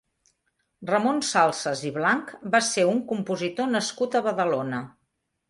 Ramon Salsas i Blanch va ser un compositor nascut a Badalona.